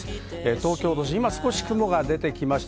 東京都心、少し雲が出てきました。